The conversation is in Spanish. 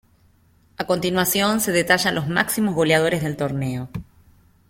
A continuación se detallan los máximos goleadores del torneo.